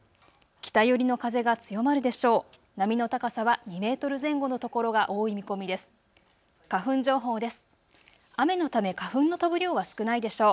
北寄りの風が強まるでしょう。